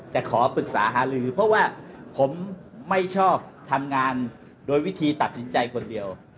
ขอปรึกษาหาลือเพราะว่าผมไม่ชอบทำงานโดยวิธีตัดสินใจคนเดียว